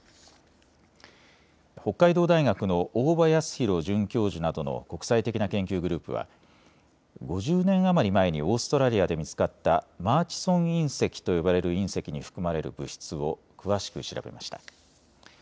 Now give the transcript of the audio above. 北海道大学の大場康弘准教授などの国際的な研究グループは５０年余り前にオーストラリアで見つかったマーチソン隕石と呼ばれる隕石に含まれる物質を詳しく調べました。